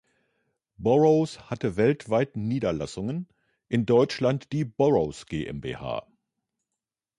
Burroughs hatte weltweit Niederlassungen, in Deutschland die Burroughs GmbH.